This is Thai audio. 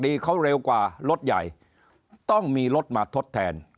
เขาเร็วกว่ารถใหญ่ต้องมีรถมาทดแทน